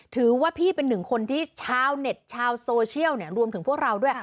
ถือว่าพี่เป็นหนึ่งคนที่ชาวเน็ตชาวโซเชียลรวมถึงพวกเราด้วย